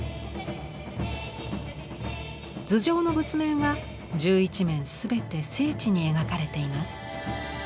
頭上の仏面は十一面全て精緻に描かれています。